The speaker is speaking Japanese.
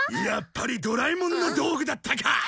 やっぱりドラえもんの道具だったか！